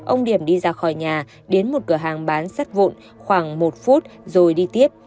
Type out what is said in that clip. ông điểm đi ra khỏi nhà đến một cửa hàng bán sắt vụn khoảng một phút rồi đi tiếp